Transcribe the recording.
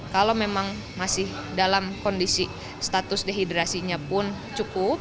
kalau memang masih dalam kondisi status dehidrasinya pun cukup